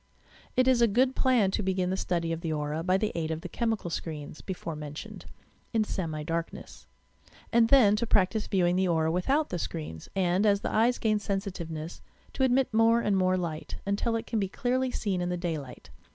It is a good plan to begin the study of the aura by the aid of the chemical screens, before mentioned, in semi darkness: and then to practise viewing the aura without the screens, and, as the eyes gain sensitiveness, to admit more and more light, until it can be clearly seen in the daylight.